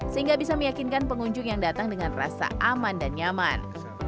sehingga bisa meyakinkan pengunjung yang datang dengan rasa aman dan nyaman